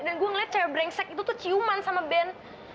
dan gua ngeliat cewek brengsek itu tuh ciuman sama ben